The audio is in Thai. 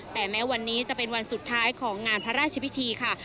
แต่แม้วันนี้จะเป็นวันสุดท้ายของงานพระราชพิธีค่ะ